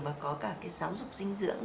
và có cả cái giáo dục dinh dưỡng